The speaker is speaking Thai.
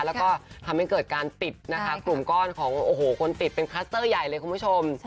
แล้วก็ทำให้เกิดการติดนะคะกลุ่มก้อนของโอ้โหคนติดเป็นคลัสเตอร์ใหญ่เลยคุณผู้ชม